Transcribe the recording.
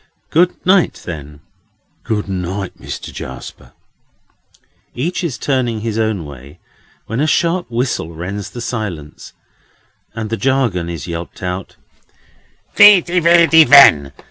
"Good night, then." "Good night, Mister Jarsper." Each is turning his own way, when a sharp whistle rends the silence, and the jargon is yelped out: Widdy widdy wen!